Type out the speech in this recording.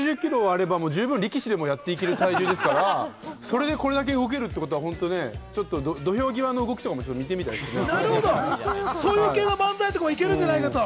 １８０キロあれば力士でもやっていける体重ですから、これだけ動けるということで土俵際の動きも見てみたいですね。